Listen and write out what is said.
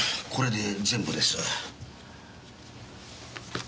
これで全部です。